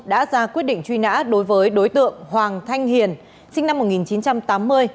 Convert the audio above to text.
đã ra quyết định truy nã đối với đối tượng hoàng thanh hiền sinh năm một nghìn chín trăm tám mươi